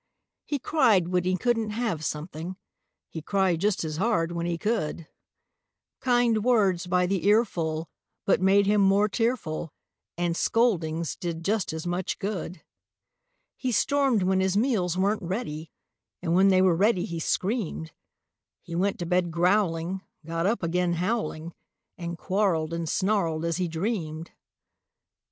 He cried when he couldn't have something; He cried just as hard when he could; Kind words by the earful but made him more tearful, And scoldings did just as much good. He stormed when his meals weren't ready, And when they were ready, he screamed. He went to bed growling, got up again howling And quarreled and snarled as he dreamed.